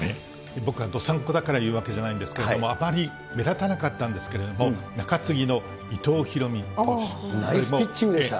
僕は道産子だから言うわけじゃないんですけれども、あまり目立たなかったんですけれども、ナイスピッチングでした。